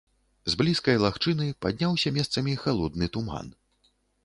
З блізкай лагчыны падняўся месцамі халодны туман.